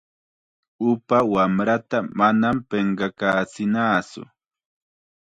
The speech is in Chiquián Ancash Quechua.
Upa wamrata manam pinqakachinatsu.